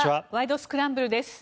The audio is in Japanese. スクランブル」です。